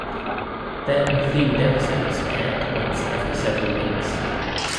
Then themed episodes aired once every several weeks.